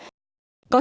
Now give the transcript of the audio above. có thể không